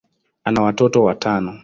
ana watoto watano.